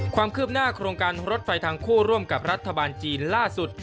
ความคืบหน้าโครงการรถไฟทางคู่ร่วมกับรัฐบาลจีนล่าสุด